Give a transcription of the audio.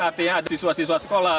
artinya ada siswa siswa sekolah